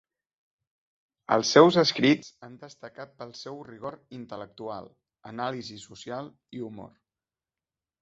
Els seus escrits han destacat pel seu rigor intel·lectual, anàlisi social i humor.